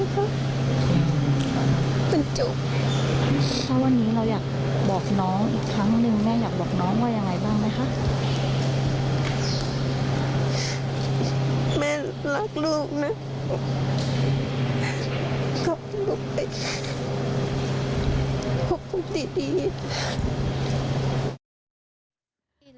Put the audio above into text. ขอบคุณครับขอบคุณดี